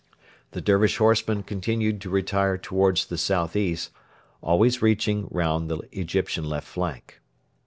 The Dervish horsemen continued to retire towards the south east, always reaching round the Egyptian left flank.